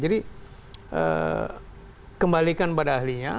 jadi kembalikan pada ahlinya